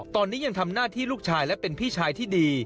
ตอนนี้ยังทำหน้าที่ลูกชายและเป็นพี่ชายที่ดี